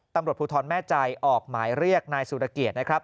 ตำรวจภูทรแม่ใจออกหมายเรียกนายสุรเกียรตินะครับ